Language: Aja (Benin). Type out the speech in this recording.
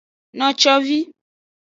Nocovi.